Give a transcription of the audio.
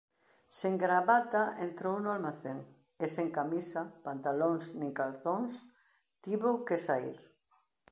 Sen gravata entrou no almacén, e sen camisa, pantalóns, nin calzóns tivo que saír.